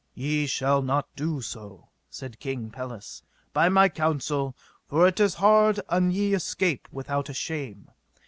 Ye shall not do so, said King Pelles, by my counsel, for it is hard an ye escape without a shame.